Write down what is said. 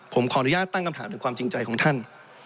ผมขออนุญาตตั้งคำถามถึงความจริงใจของท่าน